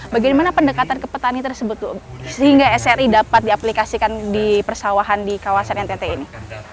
bagaimana pendekatan ke petani tersebut sehingga sri dapat diaplikasikan di persawahan di kawasan ntt ini